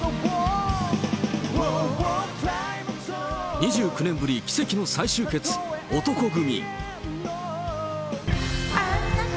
２９年ぶり奇跡の再集結、男闘呼組。